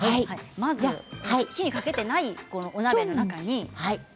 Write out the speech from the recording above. まず火にかけていないお鍋の中に。